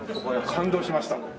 感動しました